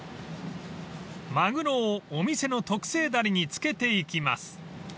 ［マグロをお店の特製だれに漬けていきます］